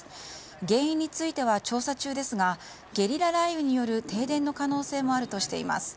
原因については調査中ですがゲリラ雷雨による停電の可能性もあるとしています。